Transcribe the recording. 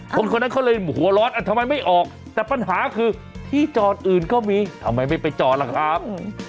คนคนนั้นเขาเลยหัวร้อนทำไมไม่ออกแต่ปัญหาคือที่จอดอื่นก็มีทำไมไม่ไปจอดล่ะครับ